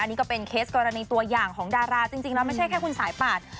นี่ก็เป็นเคสกรณีตัวอย่างของดาราจริงแล้วไม่ใช่แค่คุณสายปาด